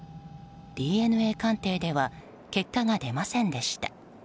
ＤＮＡ鑑定では結果が出ませんでした。